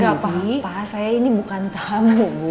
gak apa apa saya ini bukan tamu bu